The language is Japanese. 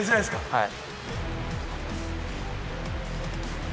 はい。